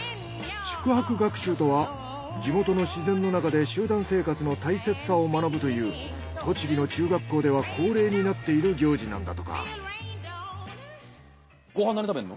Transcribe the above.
宿泊学習とは地元の自然の中で集団生活の大切さを学ぶという栃木の中学校では恒例になっている行事なんだとか。